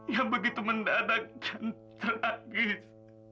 yang begitu mendadak dan terakhir